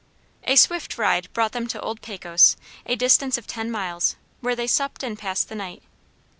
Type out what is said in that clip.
A swift ride brought them to old Pecos, a distance of ten miles, where they supped and passed the night.